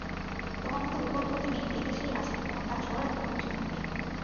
তোমার মতো রূপবর্তী মেয়ে এ দেশেই আছে এবং তারা সবাই রক্ত-মাংসের মানুষ।